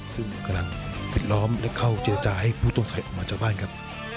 ซึ่งกำลังปิดล้อมและเข้าเจรจาให้ผู้ต้องหายออกมาจากบ้านครับ